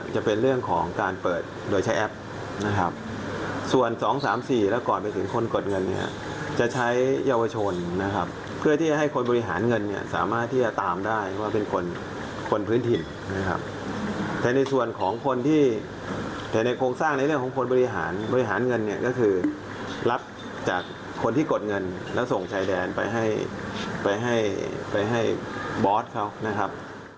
จะเป็นเรื่องของการเปิดโดยใช้แอปนะครับส่วนสองสามสี่แล้วก่อนไปถึงคนกดเงินเนี่ยจะใช้เยาวชนนะครับเพื่อที่จะให้คนบริหารเงินเนี่ยสามารถที่จะตามได้ว่าเป็นคนคนพื้นถิ่นนะครับแต่ในส่วนของคนที่แต่ในโครงสร้างในเรื่องของคนบริหารบริหารเงินเนี่ยก็คือรับจากคนที่กดเงินแล้วส่งชายแดนไปให้ไปให้ไปให้บอสเขานะครับ